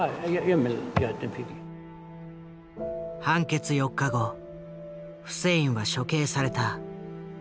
判決４日後フセインは処刑された。